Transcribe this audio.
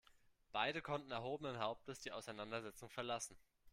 Beide konnten erhobenen Hauptes die Auseinandersetzung verlassen.